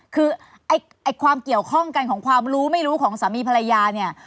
คือไอ้ความเกี่ยวข้องกันของความรู้ไม่รู้ของสามีภรรยาเนี่ย